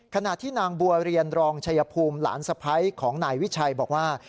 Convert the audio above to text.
ขณะที่นางบัวเรียนรองชัยภูมิหลานสะพ้ายของนายวิชัยบอกว่า